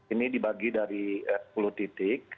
ini dibagi dari sepuluh titik